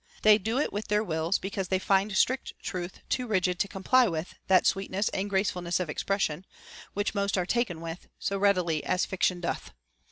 They do it with their wills, because they find strict truth too rigid to comply with that sweetness and gracefulness of expression, which most are taken with, so readily as fiction doth.